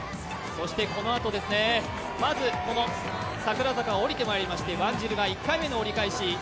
そしてこのあとですね、まず桜坂を下りてまいりましてワンジルが１回目の折り返し。